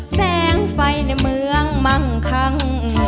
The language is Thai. แสงไฟในเมืองมั่งคัง